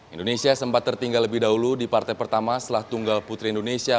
indonesia sempat tertinggal lebih dahulu di partai pertama setelah tunggal putri indonesia